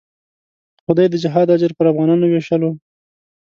که خدای د جهاد اجر پر افغانانو وېشلو.